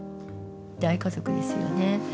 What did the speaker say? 大家族ですよね。